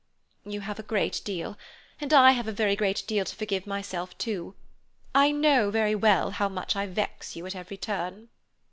"You have a great deal, and I have a very great deal to forgive myself, too. I know well how much I vex you at every turn."